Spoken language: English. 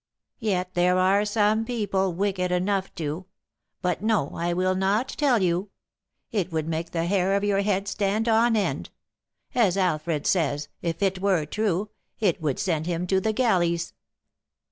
Yet there are some people wicked enough to But no, I will not tell you: it would make the hair of your head stand on end. As Alfred says, if it were true, it would send him to the galleys."